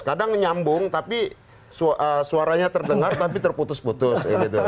kadang nyambung tapi suaranya terdengar tapi terputus putus